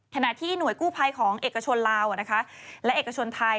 ขณะที่หน่วยกู้ภัยของเอกชนลาวและเอกชนไทย